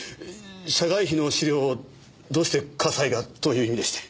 社外秘の資料をどうして笠井がという意味でして。